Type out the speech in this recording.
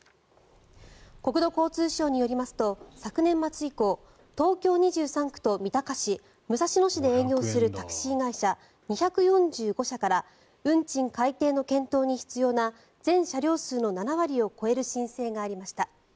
国土交通省によりますと昨年末以降、東京２３区と三鷹市武蔵野市で営業するタクシー会社２４５社から運賃改定の検討に必要な全車両数の７割を超える申請がありました。